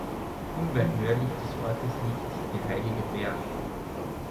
Unweit nördlich des Ortes liegt der "Heilige Berg".